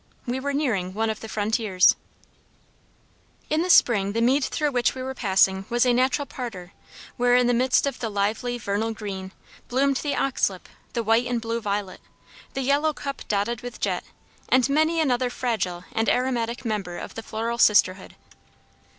We were nearing one of the frontiers. In the spring the mead through which we were passing was a natural parterre, where in the midst of the lively vernal green, bloomed the oxlip, the white and blue violet, the yellow cup dotted with jet, and many another fragile and aromatic member of the floral sisterhood.